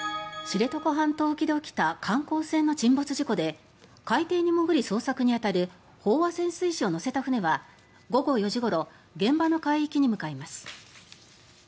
知床半島沖で起きた観光船の沈没事故で海底に潜り捜索に当たる飽和潜水士を乗せた船は午後４時ごろ現場の海域に向かいます。